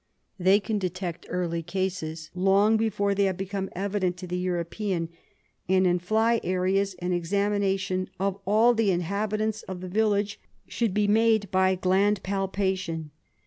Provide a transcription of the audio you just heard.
They can detect early cases long before they have become evident to the European, and in fly areas an examination of all the inhabitants of the village should be made by gland palpation.